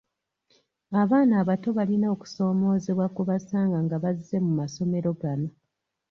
Abaana abato balina okusoomoozebwa kwe basanga nga bazze mu masomero gano.